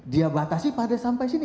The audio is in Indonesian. dia batasi pada sampai sini